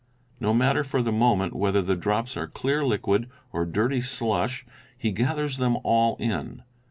No matter for the moment whether the drops are clear liquid or dirty slush, he gathers — them all in.